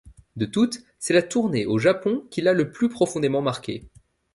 De toutes, c'est la tournée au Japon qui l'a le plus profondément marqué.